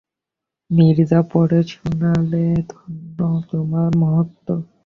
নীরজা পড়ে শোনালে, ধন্য তোমার মহত্ত্ব।